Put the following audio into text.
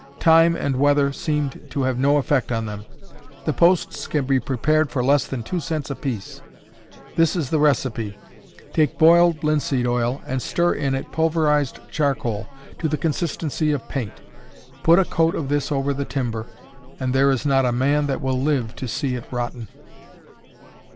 Time and weather seemed to have no effect on them. The posts can be prepared for less than two cents a piece. This is the recipe: Take boiled linseed oil and stir in it pulverized charcoal to the consistency of paint. Put a coat of this over the timber, and there is not a man that will live to see it rotten.